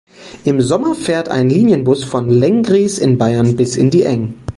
Im Sommer fährt ein Linienbus von Lenggries in Bayern bis in die Eng.